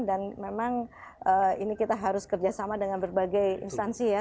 dan memang ini kita harus kerjasama dengan berbagai instansi ya